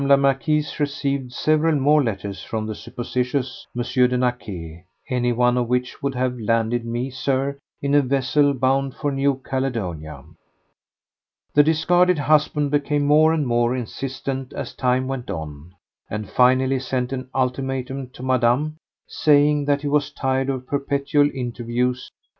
la Marquise received several more letters from the supposititious M. de Naquet, any one of which would have landed me, Sir, in a vessel bound for New Caledonia. The discarded husband became more and more insistent as time went on, and finally sent an ultimatum to Madame saying that he was tired of perpetual interviews with M.